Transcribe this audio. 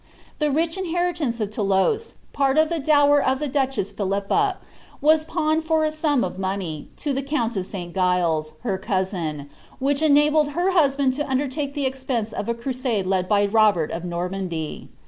The rich inheritance of Thoulouse, part of the dower of the duchess Phiiippa, was pawned for a sum of money, to the count of St Gilles, her cousin, which enabled her husband to undertake the expense of the crusade led by Robert of Normandy.